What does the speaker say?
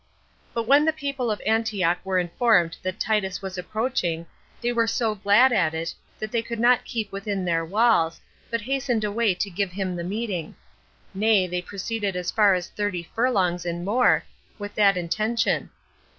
But when the people of Antioch were informed that Titus was approaching, they were so glad at it, that they could not keep within their walls, but hasted away to give him the meeting; nay, they proceeded as far as thirty furlongs, and more, with that intention.